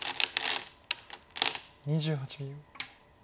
２８秒。